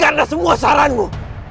kapan dalam hidupmu